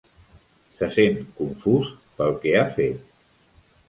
Se sent confús pel que ha fet.